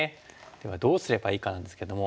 ではどうすればいいかなんですけども。